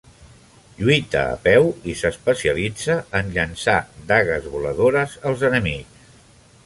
Lluita a peu i s'especialitza en llançar dagues voladores als enemics.